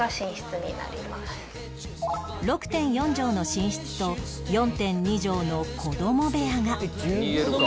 ６．４ 畳の寝室と ４．２ 畳の子供部屋が